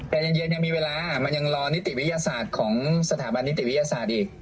แต่เย็นยังมีเวลามันยังรอนิติวิทยาศาสตร์ของสถาบันนิติวิทยาศาสตร์อีก